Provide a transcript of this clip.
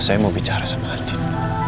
saya mau bicara sama adik